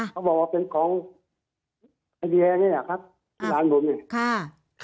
เขาบอกว่าเป็นของไอเดียเนี้ยครับอ่าหลานผมเนี้ยค่ะ